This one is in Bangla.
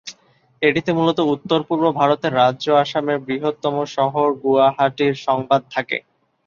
এটিতে মূলত উত্তর পূর্ব ভারতের রাজ্য আসামের বৃহত্তম শহর গুয়াহাটির সংবাদ থাকে।